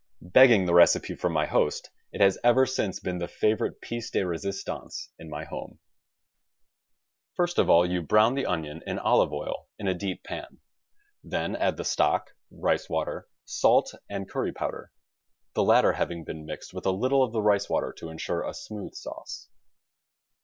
Begging the recipe from my host, it has ever since been the favorite piece de resistance in my home. THE STAG COOK BOOK First of all you brown the onion in olive oil in a deep pan; then add the stock, rice water, salt and curry powder; the latter having been mixed with a little of the rice water to insure a smooth sauce.